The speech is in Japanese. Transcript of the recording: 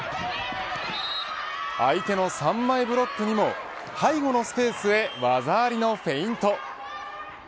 相手の３枚ブロックにも背後のスペースへ技ありのフェイント。